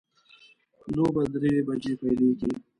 لوبه درې بجې پیلیږي